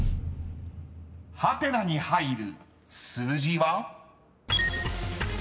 ［ハテナに入る数字は？］